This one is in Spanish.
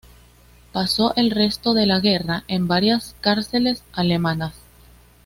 Pasó el resto de la guerra en varias cárceles alemanas.